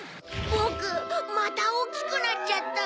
ぼくまたおおきくなっちゃった。